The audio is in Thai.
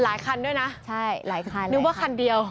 หลายคันด้วยนะนึกว่าคันเดียว